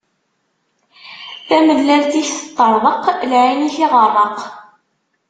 Tamellalt-ik teṭṭeṛḍeq, lɛin-ik iɣeṛṛeq.